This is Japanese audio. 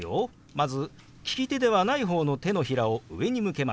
まず利き手ではない方の手のひらを上に向けます。